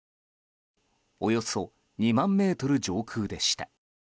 およそ２万ｍ上空でした。